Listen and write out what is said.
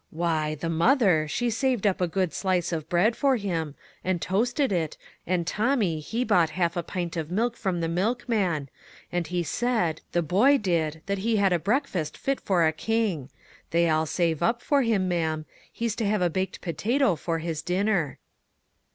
" Why, the mother, she saved up a good 26 ONE COMMONPLACE DAY. slice of bread for him, and toasted it, and Tommy he bought half a pint of milk from the milkman, and he said, the boy did, that he had a breakfast fit for a king ; they all save up for him. ma'am ; he's to have a baked potato for his dinner."